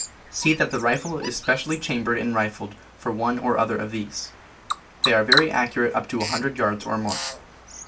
See that the rifle is specially chambered and rifled for one or other of these. They are very accurate up to 100 yards or more.